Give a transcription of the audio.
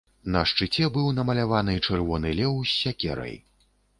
На шчыце быў намаляваны чырвоны леў з сякерай.